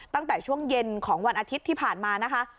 ตั้งแต่ช่วงเย็นของวันอาทิตย์ที่ผ่านมานะคะ